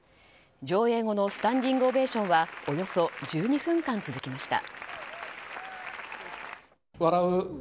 上映後のスタンディングオベーションはおよそ１２分間続きました。